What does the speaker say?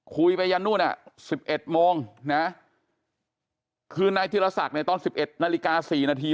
คุยไปนู่นน่ะ๑๑โมงนะคือในทีศาสตร์ในตอน๑๑นาฬิกา๔นาที